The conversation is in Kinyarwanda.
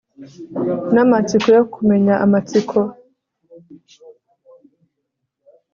Namatsiko yo kumenya amatsiko